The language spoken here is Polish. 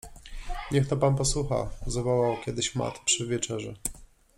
Niech no pan posłucha! - zawołał kiedyś Matt przy wieczerzy.